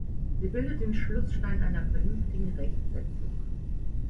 Sie bildet den Schlussstein einer vernünftigen Rechtsetzung.